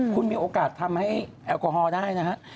คุณมีโอกาสทำให้แอลโกฮอลได้นะครับ